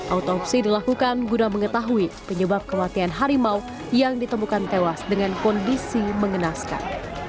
autopsi dilakukan guna mengetahui penyebab kematian harimau yang ditemukan tewas dengan kondisi mengenaskan